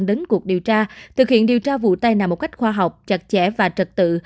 đến cuộc điều tra thực hiện điều tra vụ tai nạn một cách khoa học chặt chẽ và trật tự